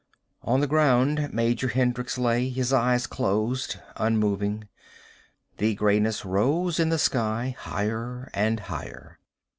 On the ground Major Hendricks lay, his eyes closed, unmoving. The grayness rose in the sky, higher and higher.